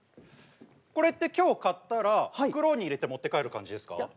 これって今日買ったら袋に入れて持って帰る感じですか？